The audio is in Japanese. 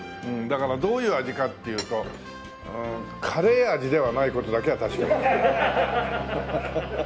だからどういう味かっていうとカレー味ではない事だけは確か。